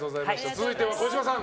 続いては児嶋さん